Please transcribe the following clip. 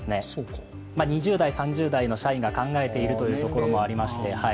２０代、３０代の社員が考えているというところもありまして。